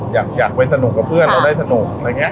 อยากไปสนุกกับเพื่อนเราได้สนุก